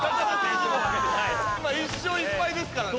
今１勝１敗ですからね。